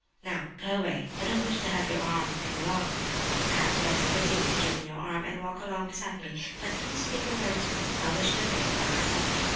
"Now, go away, I don't wish to have your arm any longer; or perhaps, better, continue to give me your arm, and walk along beside me, but don't speak a word to me. I wish to think by myself."